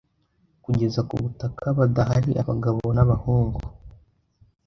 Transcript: kugeza ku butaka badahari abagabo n'abahungu